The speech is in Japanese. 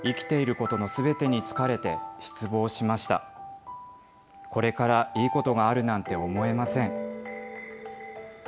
これからいいことがあるなんて思えません。